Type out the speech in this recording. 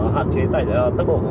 hạn chế tải tốc độ